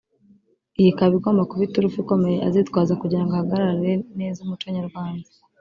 iyi ikaba igomba kuba iturufu ikomeye azitwaza kugirango ahagararire neza umuco nyarwanda